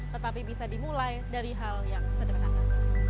tetapi bisa dimulai dari hal yang sederhana